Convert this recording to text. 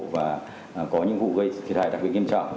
và có những vụ gây thiệt hại đặc biệt nghiêm trọng